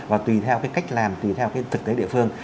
và tùy theo cái cách làm tùy theo cái thực tế địa phương